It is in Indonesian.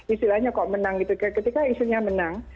istilahnya kok menang gitu ketika isunya menang